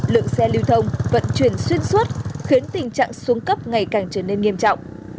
lượng xe lưu thông vận chuyển xuyên suốt khiến tình trạng xuống cấp ngày càng trở nên nghiêm trọng